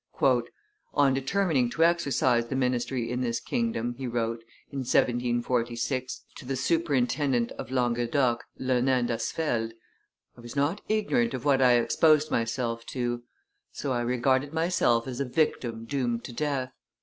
"On determining to exercise the ministry in this kingdom," he wrote, in 1746, to the superintendent of Languedoc, Lenain d'Asfeldt, "I was not ignorant of what I exposed myself to; so I regarded myself as a victim doomed to death.